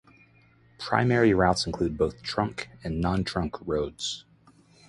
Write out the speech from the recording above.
Primary routes include both trunk and non-trunk roads.